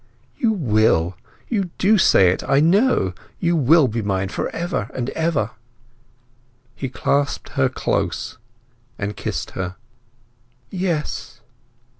"You will—you do say it, I know! You will be mine for ever and ever." He clasped her close and kissed her. "Yes!"